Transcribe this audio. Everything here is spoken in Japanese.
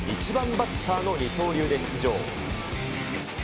１番バッターの二刀流で出場。